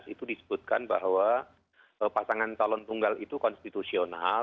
itu disebutkan bahwa pasangan calon tunggal itu konstitusional